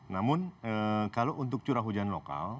namun kalau untuk curah hujan lokal